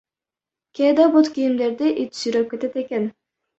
Кээде бут кийимдерди ит сүйрөп кетет экен.